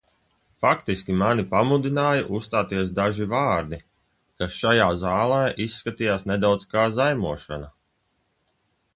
Faktiski mani pamudināja uzstāties daži vārdi, kas šajā zālē izskatījās nedaudz kā zaimošana.